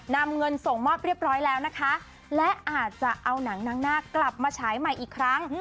นำเงินส่งมอบเรียบร้อยแล้วนะคะและอาจจะเอาหนังนางหน้ากลับมาฉายใหม่อีกครั้ง